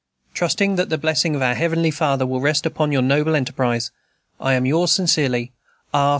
Trusting that the blessing of our Heavenly Father will rest upon your noble enterprise, I am yours, sincerely, R.